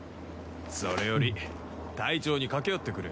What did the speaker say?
それより隊長にかけあってくれ。